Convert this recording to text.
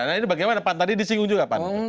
nah ini bagaimana pan tadi disinggung juga pan